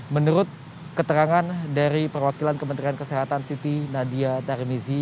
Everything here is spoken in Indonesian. menurut keterangan dari perwakilan kementerian kesehatan siti nadia tarmizi